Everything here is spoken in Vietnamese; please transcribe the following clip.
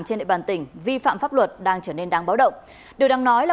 cầm dao đồ để